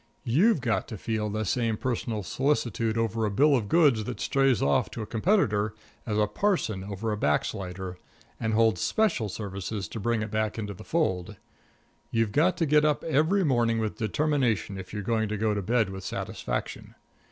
You've got to feel the same personal solicitude over a bill of goods that strays off to a competitor as a parson over a backslider, and hold special services to bring it back into the fold. You've got to get up every morning with determination if you're going to go to bed with satisfaction.